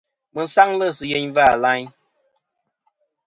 Mi sangli si yeyn va layn.